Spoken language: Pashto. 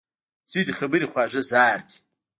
ځینې خبرې خواږه زهر دي